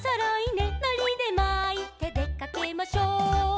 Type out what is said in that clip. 「のりでまいてでかけましょう」